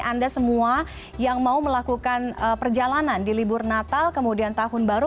anda semua yang mau melakukan perjalanan di libur natal kemudian tahun baru